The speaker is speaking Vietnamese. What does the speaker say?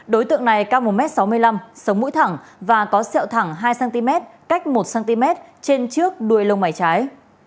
đối tượng này cao một m sáu mươi năm sống mũi thẳng và có sẹo thẳng hai cm cách một cm trên trước đuôi lông mày trái